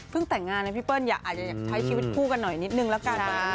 เพิ่งแต่งงานเนี่ยพี่เปิ้ลอยากใช้ชีวิตผู้กันหน่อยนิดนึงแล้วกัน